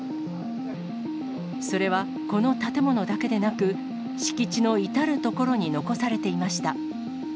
それはこの建物だけでなく、敷地の至る所に残されていました。